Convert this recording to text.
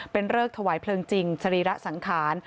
เป็นเริกถวายเพลิงจริงสรีระสังขาร